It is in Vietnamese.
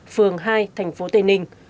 phường hai tp tây ninh